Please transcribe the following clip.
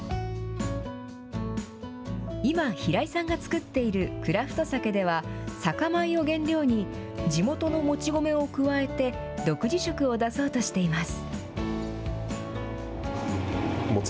今、平井さんが造っているクラフトサケでは、酒米を原料に、地元のもち米を加えて、独自色を出そうとしています。